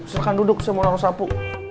silahkan duduk saya mau taruh sapu